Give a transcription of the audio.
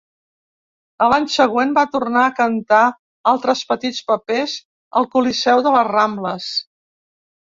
A l'any següent va tornar a cantar altres petits papers al coliseu de les Rambles.